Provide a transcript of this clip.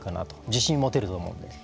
自信を持てると思います。